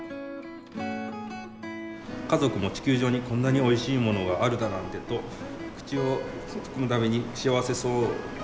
「家族も『地球上にこんなにも美味しいものがあるだなんて！』と口に含むたびに幸せそうでした」。